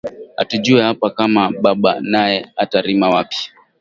Atujue apa kama baba naye ata rima wapi